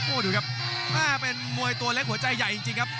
โอ้โหดูครับแม่เป็นมวยตัวเล็กหัวใจใหญ่จริงครับ